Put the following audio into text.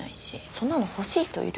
そんなの欲しい人いる？